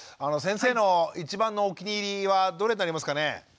先生の一番のお気に入りはどれになりますかね？